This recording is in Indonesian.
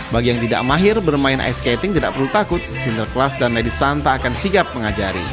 bagi yang tidak mahir bermain ice skating tidak perlu takut sinterklas dan lady santa akan sigap mengajari